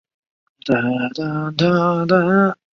凝毛杜鹃为杜鹃花科杜鹃属下的一个变种。